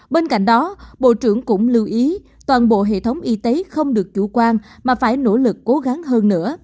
bên cạnh đó bộ trưởng cũng lưu ý toàn bộ hệ thống y tế không được chủ quan mà phải nỗ lực cố gắng hơn nữa